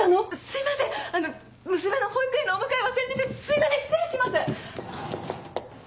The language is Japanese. すいません娘の保育園のお迎え忘れててすいません失礼します。